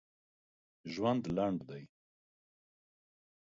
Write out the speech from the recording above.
ژوند لنډ دی.